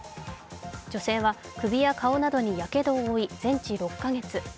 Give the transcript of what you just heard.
女性は首や顔などにやけどを負い全治６カ月。